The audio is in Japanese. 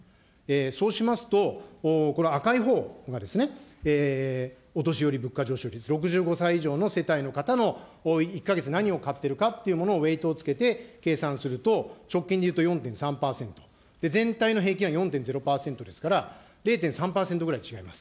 そうしますと、この赤いほうがですね、お年寄り物価上昇率、６５歳以上の世帯の方の１か月何を買ってるかというものをウエートをつけて計算すると、直近でいうと４．３％、全体の平均は４．０％ですから、０．３％ぐらい違います。